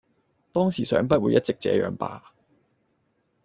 當時想不會一直這樣吧！